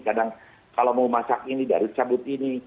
kadang kalau mau masak ini baru cabut ini